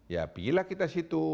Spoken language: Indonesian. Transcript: ya pilihlah kita situ